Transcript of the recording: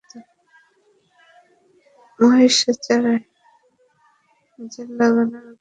Moisturiser লাগানোর আগে মুখের মরা কোষ পরিষ্কার করুন।